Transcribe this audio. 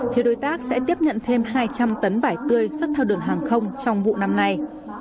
phía đối tác sẽ tiếp nhận thêm hai trăm linh tấn vải tươi xuất theo đường hàng không trong vụ năm nay